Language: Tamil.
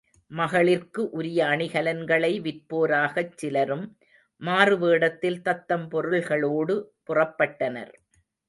மகளிர்க்கு உரிய அணிகலன்களை விற்போராகச் சிலரும், மாறு வேடத்தில் தத்தம் பொருள்களோடு புறப்பட்டனர்.